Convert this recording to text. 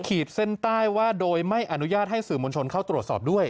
ขีดเส้นใต้ว่าโดยไม่อนุญาตให้สื่อมวลชนเข้าตรวจสอบด้วย